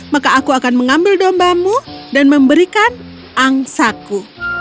maka aku akan mengambil dombamu dan memberikan angsaku